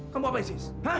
kamu apaan sih iis